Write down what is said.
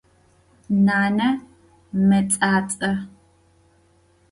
Nane mets'ats'e.